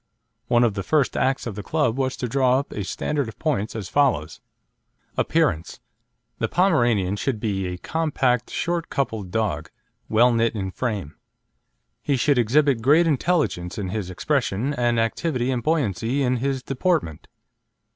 One of the first acts of the club was to draw up a standard of points as follows: APPEARANCE The Pomeranian should be a compact, short coupled dog, well knit in frame. He should exhibit great intelligence in his expression, and activity and buoyancy in his deportment.